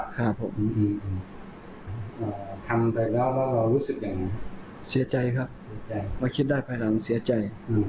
ถ้าย้อนกลับไปได้เราจะทำยังไง